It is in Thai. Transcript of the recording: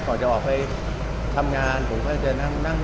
ก่อนจะออกไปทำงานผมก็จะนั่งคุยทุกวันเลยค่ะ